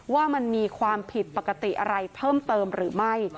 ว่ามันมีความผิดปกติอะไรเพิ่มเติมหรือไม่